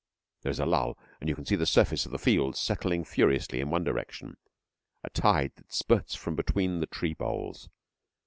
There is a lull, and you can see the surface of the fields settling furiously in one direction a tide that spurts from between the tree boles.